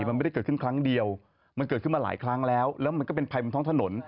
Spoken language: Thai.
มันไม่ได้เกิดขึ้นครั้งเดียวมันเกิดขึ้นมาหลายครั้งแล้วแล้วมันก็เป็นภัยบนท้องถนน